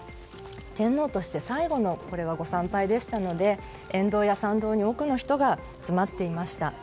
天皇として最後のご参拝でしたので沿道や参道に多くの人が集まっていました。